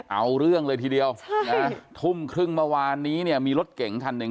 เอาเรื่องเลยทีเดียวทุ่มครึ่งเมื่อวานนี้เนี่ยมีรถเก่งคันหนึ่ง